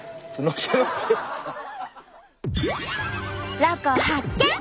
ロコ発見！